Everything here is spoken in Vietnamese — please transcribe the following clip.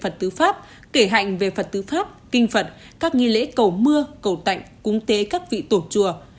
phật tư pháp kể hạnh về phật tư pháp kinh phật các nghi lễ cầu mưa cầu tạnh cúng tế các vị tổ chùa